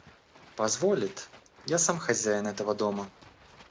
Позволит. Я сам хозяин этого дома.